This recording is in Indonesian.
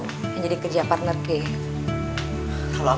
kayaknya akunya orang di jawa ini